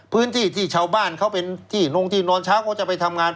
พื้นที่ที่ชาวบ้านเขาเป็นที่นงที่นอนเช้าเขาจะไปทำงาน